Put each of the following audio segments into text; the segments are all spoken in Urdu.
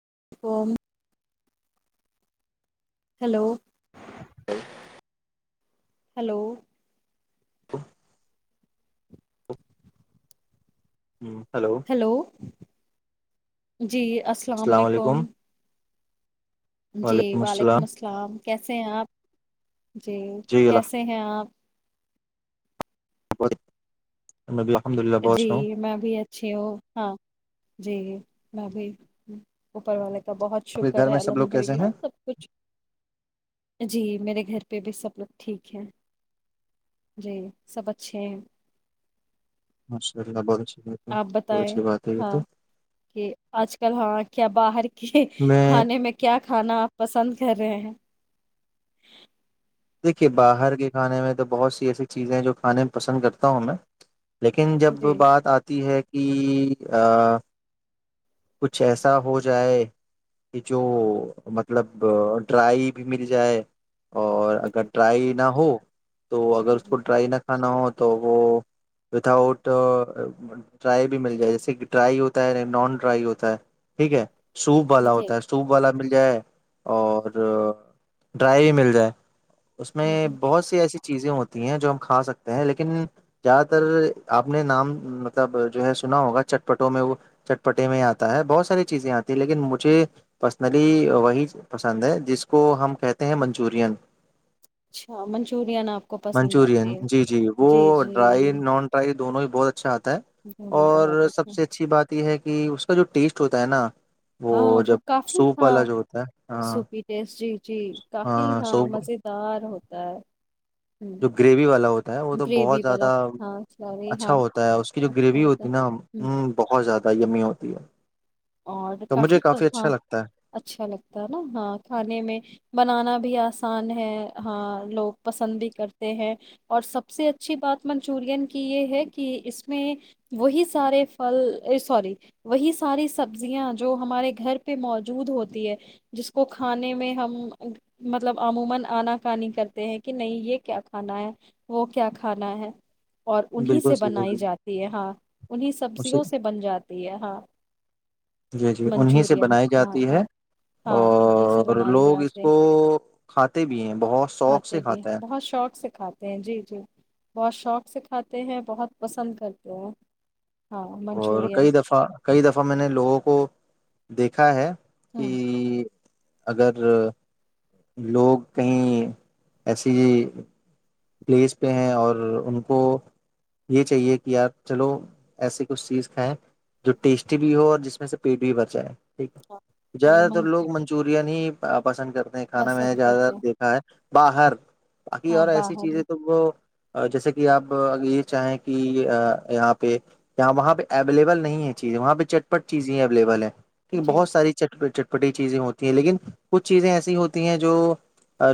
[unintelligible] ہلو [inaudible] ہلو [inaudible] ہیلو جی السلام علیکم جی وعلیکم السلام کیسے ہیں آپ جی کیسے ہیں آپ [inaudible] جی اچھا ہوں میں بھی اچھی ہوں ہاں جی میں بھی اوپر والے کا بہت اپنے شکر گھر ہے میں سب لوگ الحمد کیسے للہ ہیں سب کچھ جی میرے گھر پہ بھی سب لوگ ٹھیک ہے جی سب اچھے ہیں اچشاء اللہ بہت بات ہے آپ بہت بتائیں اچھی بات ہے یہ تو ہاں کہ آج کل ہاں کیا باہر کے میں کھانے میں کیا کھانا آپ پسند کر رہے ہیں دیکھیئے باہر کے کھانے میں تو بہت سی ایسی چیزیں ہیں جو کھانے میں پسند کرتا ہوں میں لیکن جب جی بات آتی ہے کہ [unintelligible] کچھ ایسا ہو جائے کہ جو مطلب ڈرائی بھی مل جائے اور اگر ٹرائی نہ ہو تو اگر اس کو ٹرائی نہ کھانا ہو تو وہ وتھ آؤٹ ڈرائی بھی مل جائے جیسے کہ ڈرائی ہوتا ہے نان ٹرائی ہوتا ہے ٹھیک ہے سوپ والا ہوتا ہے جی سوپ والا مل جائے اور ڈرائی بھی مل جائے اس میں بہت سی ایسی چیزیں ہوتی ہیں جو ہم کھا سکتے ہیں لیکن زیادہ تر آپ نے نام مطلب جو ہے سنا ہوگا چٹپٹوں میں وہ چ پٹے میں آتا ہے بہت ساری چیزیں آتی ہیں لیکن مجھے پرسنلی وہی پسند ہے جس کو ہم کہتے ہیں منچورین اچھا منچورین آپ کو پسند آتی منچورین ہے جی جی جی دون ہی بہتچ اچھا آتا ہے دونوں بہت اور سب اچھا سے اچھی بات یہ ہے کہ کہ اس کا جو ٹیسٹ ہوتا ہے نا ہاں وہ جب کافی سوپ ہاں والا جو ہوتا ہے ہاں سوپی ٹیس جی جی کافی ہاں مز دار ہوتا تو [unintelligible] جو گریوی والا ہوتا ہے وہ تو بہت والا زیادہ ہاں ساری اچھا ہاں ہوتا ہے اس کی جو اچھا گریوی ہوتا ہوتی ہے نا ہم، بہت زیادہ یمی ہوتی شریہ [unintelligible] اور کافی ہاں اچھا لگتا ہے نا ہاں کھانے میں بنانا بھی آسان ہے ہاں لوگ پسند بھی کرتے ہیں اور سب سے اچھی بات منچورن کی یہ ہے کہ اس میں وہی سارے پھل سوری وہی ساری سبزیاں جو ہمارے گھر پے موجود اور ہے انہیں بالکل سے صحیح بنائی بالکل جاتی ہے ہاں انہیں اسے سبزیوں سے بن جاتی ہے ہاں جی جی انیں سے منچورین بنائی ہاں جاتی ہے ہاں ہاں انہیں سے اور بنائی لوگ اس جاتے کو کھاتے بھی ہیں بہت شوق سے بھی کھاتے ہیں بہت شوق سے کھاتے جی جی بہت شوق سے کھاتے ہیں بہت پسند کرتے ہیں ہاں اور منچورین کئی دفعہ کئی دفعہ میں نے لوگوں کو دیکھا ہے کہ ہاں اگر لوگ کہیں ایسی ہی پلیس پہ ہیں اور ان کو یہ چاہیے کہ یار چلو ایسی کچھ چیز کھائیں جو ٹیسٹی بھی ہو اور جس میں سے پیٹ بھی بھر جائے ٹھیک ہے ہاں، تو وہ زیادہ تر من لوگ منچورن ہی پسند کر نے کانا میں نے پسند زیادہ کرتے تر ہیں دیکھا ہے باہر باقی ہاں اور ایسی باہر چیزیں تو وہ جیسے کہ آپ ا یہ چاہیں کہ یہاں پہ وہاں پہ اویلیبل نہیں ہے چیزیں وہاں پہ چٹپٹ چیزیں اویلیبل ہے جی بہت ساری چٹپ بٹی چیزیں ہوتی ہیں لیکن کچھ چیزیں ایسی ہوتی ہیں جو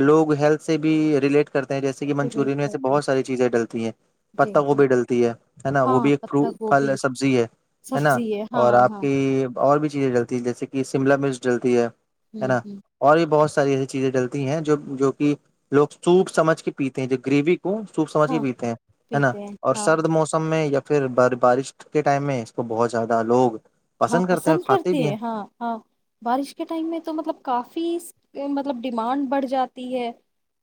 لوگ ہیلتھ سے بھی ریلیٹ کرتے ہیں جیس منچور ریلیٹ میں کرتے ہیں بہت ساری چیزیں ڈلتی ہیں جی پتا جی گوبھی ڈلتی ہے نا وہ ہاں بھی ایک ف پتہ پھل گوبھی سبزی ہے نا سبزی ہے ہاں اور آپ ہاں کی اور بھی چیزیں ڈلتی ہیں جیسے کہ شملا مرچ ڈلتی ہے ہے ہوں نا ہوں اور بھی بہت ایسی چیزیں ڈلتی ہیں جو جو کہ لوگ سوچ سمجھ کے پیتے ہیں جو گریو سوپ سمجھ کے ہاں پیتے ہیں ہے نا پیتے ہیں اور ہاں سرد موسم میں پھر ب بارش کے ٹائم میں اس کو بہت زیادہ لوگ ہاں ہیں پسند اور کھاتے کرتے بھی ہیں ہاں ہاں بارش کے ٹائم میں تو مطلب کافی مطلب ڈیمانڈ بڑھ جاتی ہے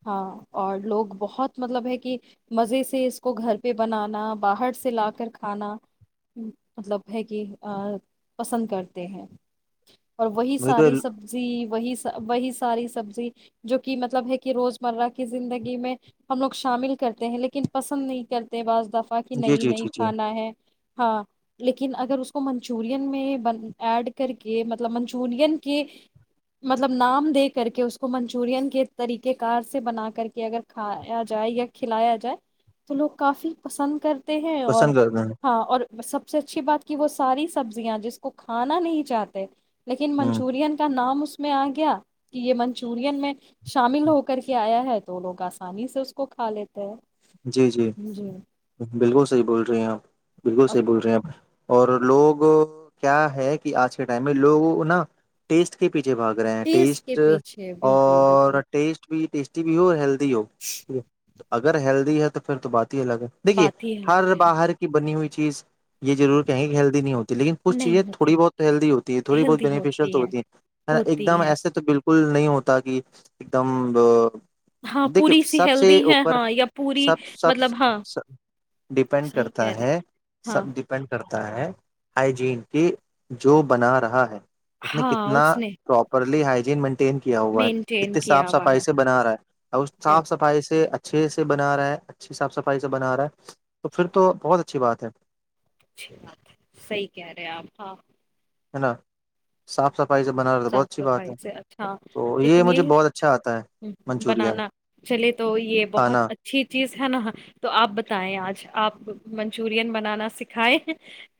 ہاں اور لوگ بہت مطلب ہے کہ مزے سے اس کو گھر پہ بنانا باہر سے لا کر کھانا مطلب ہے کہ پسند کرتے ہیں اور وہی ساری سبزی وہی وہی ساری سبزی جو کہ مطلب ہے کہ روز مرہ کی زندگی میں ہم لوگ شامل کرتے ہیں لیکن پسند نہیں کرتے بعض صفا کی جی جی نہیںئی ن جی جی کھانا ہے ہاں لیکن اگر اس کو منچ منچورن میں ایڈ کر کے مطلب منچورین کے مطلب نام دے کر کے اس کو منچورن کے طریقہ کار سے بنا کر کے اگر کھایا جائے یا کھلایا جائے تو لوگ کافی پسند کر ہیں اور پسند کرتے ہیں ہاں اور سب سے اچھی بات کہ وہ ساری سبزیاں جس کو کھانا نہیں چاہتے لیکن ہ منچورین کا نام اس میں آ گیا کہ یہ منچورین میں شامل ہو کر کے آیا ہے تو لوگ آسانی سے اس کو کھا لیتے ہیں جی جی بالکل صحیح بول رہے ہیں آپ بالکل اور صح بول رہے ہیں آپ اور لوگ کیا ہے کہ آج کے ٹائم میں لوگ نا ٹیسٹ کے پیچھے بھاگ رہے ہیں کے ٹیسٹ پیچھے بالکل بالکل اور ٹیسٹ بھی ٹیسٹ ک بو ہیل ہو تو اگر چل ہے تو پھر تو بع الگ ہے دیکھیے بات ہی الگ ہر ہے باہر کی بنی ہوئی چیز یہ ضرور کہیں ہیلدی نہیں ہوتی لیک کچھ چیزیں نہیں ہوتے تھوڑی بہت ہیلدی ہوتی ہے تھوڑی بہت ہیلدی بینیفیشیل تو ہیں ہوتی ہے نا ایک ہوتی دم ہیں ایسے تو بالکل کل نہیں ہوتا کہ ایک دم ہاں دیکھیے پوری سی سب سے ہیلدی ہے اوپر ہاں یا پوری سب مطلب ہاں سبب ڈیپینڈ صحیح کہہ کرتا رہے ہے ہاں سب ڈیپینڈ کرتا تا ہے ہائجین کی جو بنا رہا ہے اس نے ہاں کتنا اس نے پروپرلی ہ ج کیا ہوا ہے مینٹین اتنی کیا صاف ہوا سفائی ہے سے بنا رہا ہے اس یہ صاف سفائی سے اچ چھ سے بنا رہا ہے اچھی صاف صفائی سے بنا رہا ہے تو پھر تو بہت اچھا اچھی بات ہے اچھی بات ہے صحی کہہ رہے آپ ہاں ہے نا صاف صف صاف صفائی سے اچھا تو لیکن مجھے یہ بہت اچھا آتا ہے منچورین بنانا چلے تو یہ بہت کھانا اچھی چیز ہے نا تو آپ بتائیں آج آپ منچورین بنانا سکھائے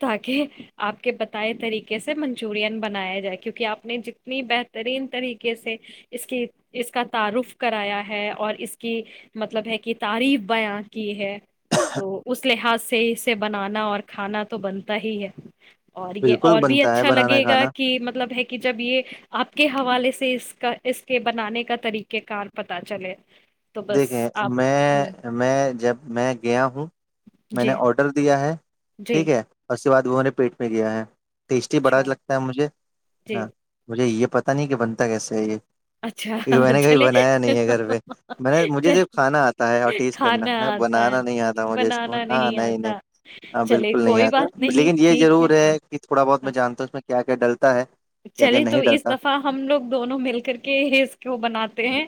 تاکہ آپ کے بتائے طریقے سے منچورین بنایا جائے کیونکہ آپ آ نے جتنی بہترین طریقے سے اس کی اس کا تعارف کرایا ہے اور اس کی مطلب ہے کہ تعریف بیاں کی ہے تو اس لحاظ سے اسے بنانا اور کھانا تو بنتا ہی ہے اور یہ بالکل اور بھی بنتا ہے اچھا بنانا لگے گا کھانا کہ مطلب ہے آپ کے حوالے سے اس کا اس کے بنانے کا طریقہ کار پتا چلے تو بس دیکھیں آپ ہوں میں میں جب میں گیا ہوں میں نے جی آڈر دیا ہے جی ٹھیک ہے بعد وہہوں نے پیٹ میں گیا ہے ٹیسٹی بڑا اچھا لگتا ہے مجھے جی ہ مجھے یہ پتا نہیں کہ بنتا کیسے ہے یہ اچھا کیونکہ میں نے کبھی چلیے بنایا نہیں ہے گھر پہ میں مجھے صرف کھانا آتا ہے اور ٹیز کرنا ہے آتا بنانا نہیں آتا ہے مجھے اس کو بنانا ہاں نہیں نہیں آتا ہاں چلے بالکل نہیں کوئی آتا بات نہیں لیکن یہ ٹھیک ضرور ہے کہ تھوڑا بہت میں جانتا ہوں کیا کیا ڈل چلیے تو اس دفعہ ہم لوگ دونوں مل کر کے ہیز کو بناتے ہیں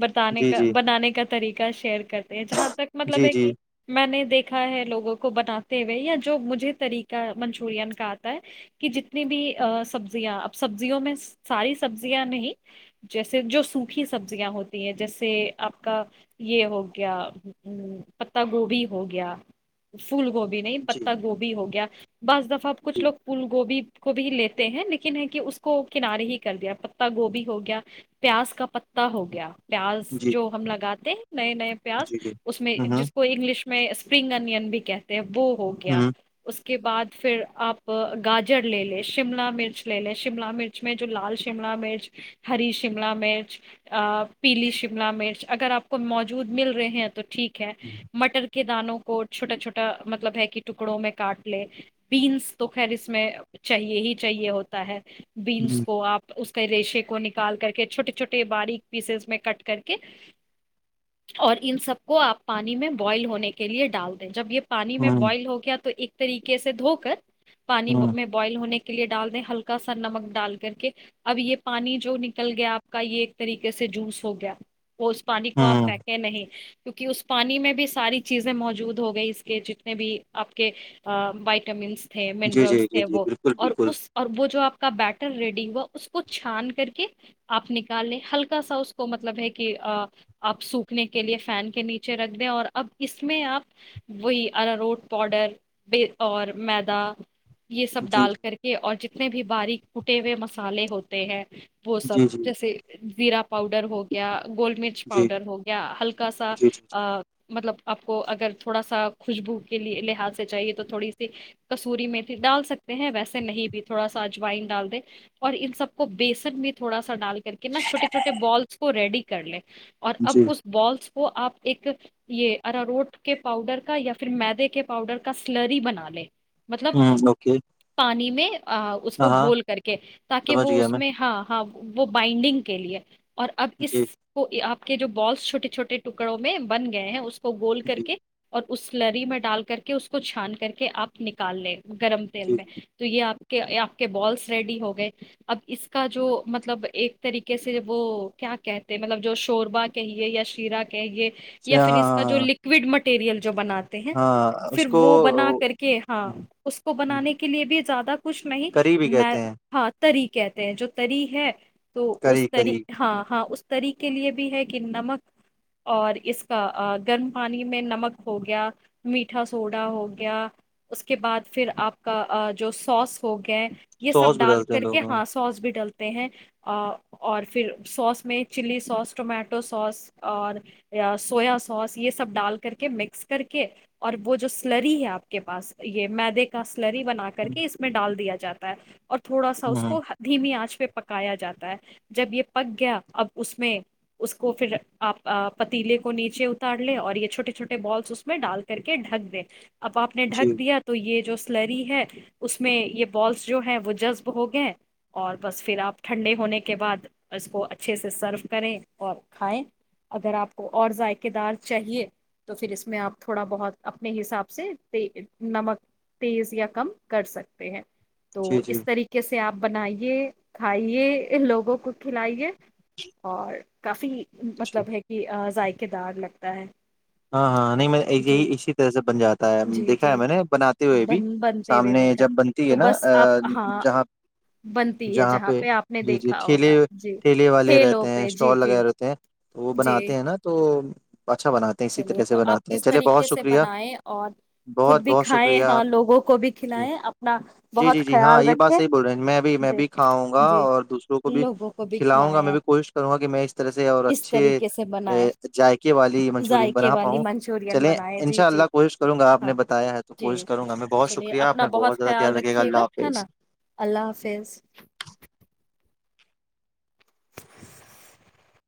برتانے جی کا جی بنانے کا طریقہ شیئر کرتے ہیں جہاں تک مطلب جی ہے جی کہ میں نے دیکھا ہے لوگوں کو بناتے یا جو مجھے طریقہ منچورن کا آتا ہے کہ جتنی بھی سبزیاں اب سبزیوں میں ساری سبزیاں نہیں جیسے جو سوکھی سبزیاں ہوتی ہیں جیسے آپ کا یہ ہو گیا پ گوبھی ہو گیا پھول گوبھی نہیں جی پتہ گوبھی ہو گیا بعض دفعہ اب کچھ لوگ پھول گوبھی کو بھی لتے ہیں لیکن ہے کہ اس کو کنارے ہی کر دیا پتا گوبھی ہو گیا پیاز کا پتا ہو گیا پیاز جی جو ہم لگاتے ہیں نئے نئے پیاز جی جی اس میں ہوں جس کو انگلش میں اسپرنگ انین بھی کہتے ہیں وہو ہو گیا ہوں اس کے بعد پھر آپ گاجر لے ل شملہ مرچ لے لے شملہ مرچ میں جو لال شملہ مرچ ہری شملہ مرچ پیلی شملہ مرچ اگر آپ کو موجود مل رہے ہیں تو ٹھیک مٹر کے دانوں کو چھوٹا چھوٹا مطلب ہے کہ ٹکڑوں میں کاٹ لے بیینس تو خیر اس میں چاہیے ہی چاہیے ہوتا ہے بینس کو آپ اس ریشے کو نکال کر کے چھوٹے چھوٹے باریک پیسز میں کٹ کر کے اور ان سب کو آپ پانی میں بوائل ہونے کے لیے ڈال دیں جب یہ پانی میں ہ بوائل ہو گیا تو ایک طریقے سے دھو کر ہ پانی میں ہ بوائل ہونے کے کے لیے ڈال دیں ہلکا سا نمک ڈال کر کے اب یہ پانی جو نکل گیا آپ کا یہ ایک طریقے سے جوس ہو گیا وہ اس پانی کو آپ ہ پھینکیں نہیں کیونکہ اس پانی میں بھی ساری چیزیں موجود ہو گئی اس کے جتنے بھی آپ کے وائٹامنس تھے جی جی منرلس جی تھے جی وہ بالکل اور بالکل اس اور وہ جو آپ کا بیٹر ریڈی ہوا اس کو چھان کر کے آپ نکال لیں ہلکا سا اس کو مطلب ہے کہ آپ سوکھنے کے لیے فین کے نیچے رکھ دیں اور اب اس میں آپ وہی ارروٹ پاؤڈر اور میدا یہ سب جی ڈال اور جتنے بھی باریک ٹے ہوئے مسالے ہوتے ہیں وہ سب جی جی جیسے زیرا پاؤڈر ہو گیا گول مرچ جی پاؤڈر ہو گیا ہلکا سا جی جی جی مطلب آپ کو اگر تھوڑا سا خوشبو کے لیے لحاظ سے چاہیے تو تھوڑی سی کسور میں ڈال سکتے ہیں ویسے نہیں بھی تھوڑا سا اجوائن ڈال دے اور ان سب کو بیسن بھی تھوڑا سا ڈال کے کر کے نا چوٹے چھوے بالس کو ریڈی کر لے اور اب جی اس بالس وہ آپ ایک یہ اراروٹ کے پاؤڈر کا یا پھر مدے کے پاؤڈر کا سلری بنا لے ہوں اوکے پانی میں اس کو ہاں ہاں گھول کر کے تاکہ سمجھ وہ گیا اس میں ہاں ہاں وہ بائنڈنگ کے لیے اور اب اس جی کو آپ کے جو بالس چھوٹے چھٹے ٹکڑوں میں بن گئے ہیں اس کو گول کر جی کے اور اس لری میں ڈال کر کے اس کو چھان کر کے آپ نکال لیں گرم تیل جی جی میں یہ آپ کے آپ کے بالس ریڈی ہو گئے اب اس کا جو مطلب ایک طریقے سے وہ کیا کہتے مطلب جو شوربا کہیے یا شیرہ کہیے یا اچھا پھر اس کا ہاں جو ہاں لکوڈ مٹر مٹیریل جو بناات ہیں ہاں ہاں پھر اس کو وہ بنا کر ہوں، کے ہاں اس کو ہوں، بنانے کے لیے بھی زیادہ کچھ نہیں کری بھی میں کہتے ہیں ہاں تری کہتے ہیں جو تری ہے تو اس کری کری طریح ہاں ہاں طریق لے بھی ہے کہ نمک اور اس کا گرم پانی میں نمک ہو گیا میٹھا سوڈا ہو گیا اس کے بعد پھر آپ کا جو سوس ہو گئے یہ سب سوس بھی ڈال ڈالتے ہیں کر کے لوگ ہاں سوس بھی ڈالتا ہیں اور پھر سوس میں چلی سوس ٹمیٹو سوس اور سویا سوس یہ سب ڈال کر کے مکس کر کے اور وہ جو سلری ہے آپ کے پاس یہ مدے کا سلری بنا کر کے اس میں ڈال دیا جاتا ہے اور تھوڑا سا اس ہ کو دھیمی آنچ پہ پکایا جاتا ہے جب یہ پک گیا اب اس میں اس کو پھر آپ پتیلے کو نیچے اتار لے اور یہ چھوٹے چھوٹے بالس اس میں ڈال کر کے ڈھک دے اب آپ نے ڈھک جی دیا تو یہ جو سلری ہے اس میں یہ بالس جو ہیں وہ جذب ہو گئے اور بس پھر آپ ٹھنڈے ہونے کے بعد اس کو اچھے سے سرو کریں اور کھائیں اگر آپ کو اور ذائقے دار چاہیے تو پھر اس میں آپ تھوڑا بہت اپنے حساب سے نمک تیز یا کم کر سکتے ہیں تو جی جی اس طریقے سے سے آپ بنائیے کھائیے لوگوں کو کھلائیے اور کفی جی مطلب ہے کہ اائ کےدار لگتا ہے ہاں ہاں نہیں میں جی یہی اسی طرح سے بن جاتا ہے جی دیکھا ہے جی میں نے بناتے ہوئے بھی بن بنتے ہوئے سامنے دیکھا جب بنتی تو ہے نا بس آپ ہاں جہاں بنتی ہے جہاں پہ آپ نے جی جی دیکھا ٹھیلے ہوگا جی ٹھیلے والے ٹھیلوں رہتے ہیں پہ جی اسٹال جی وغیرہ ہوتے ہیں تو وہ جی بناتے ہیں نا تو تو پچھا بچ اسی چلیے طرح سے تو آپ بناتے ہیں اس چلے طریقے بہت سے شکریہ بنائیں اور خود بہت بھی بہت کھائیں شکریہ ہاں لوگوں کو بھی ج کھلائیں اپنا جی بہت جی جی ہاں خیال یہ بات رکھیں صحیح بول رہے میں بھی میں جی بھی کھاؤں گا جی اور دوسروں کو بھی لوگوں کو بھی کھلاؤں گا کھلائیں میں آپ بھی کوشش کروں گا کہ میں اس طرح سے اور اس اچھے طریقے سے بنائیں ذائقے والی ذائقے بنا والی پاؤں منچورین چلے بنائے جی انشاء جی اللہ کوشش کروں گا آپ نے ہاں بتایا ہے تو جی کوشش کروں گا میں بہت چلیے شکریہ آپ اپنا کا بہت زیادہ خیال رکھے گا رکھیے اللہ ہے نا حافظ اللہ حافظ